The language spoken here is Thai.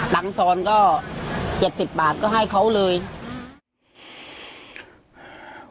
ตังสอนก็๗๐บาทแล้วก็ให้เค้าเลย